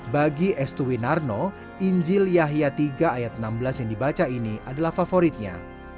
bagi estu winarno injil yahya tiga ayat enam belas yang dibaca ini adalah favoritnya